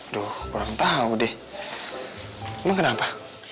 tuh kurang tahu deh emang kenapa